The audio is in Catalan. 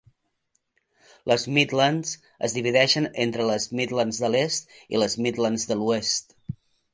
Les Midlands es divideixen entre les Midlands de l'Est i les Midlands de l'Oest.